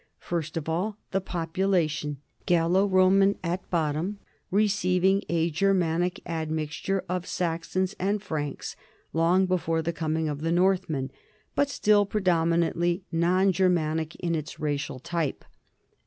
First of all, the population, Gallo Roman at bottom, receiv ing a Germanic admixture of Saxons and Franks long before the coming of the Northmen, but still prepon derantly non Germanic in its racial type.